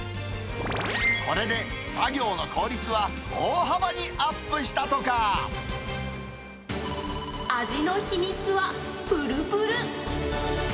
これで、作業の効率は大幅にアッ味の秘密はぷるぷる。